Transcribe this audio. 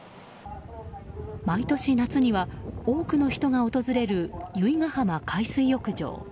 毎年夏には多くの人が訪れる由比ガ浜海水浴場。